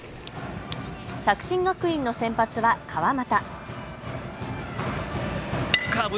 作新学院の先発は川又。